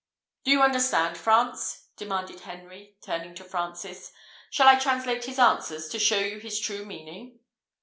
"Do you understand, France?" demanded Henry, turning to Francis: "shall I translate his answers, to show you his true meaning?"